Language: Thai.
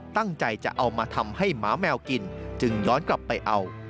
ตั้งใจจะเอามาทำให้หมาแมวกินจึงย้อนกลับไปเอา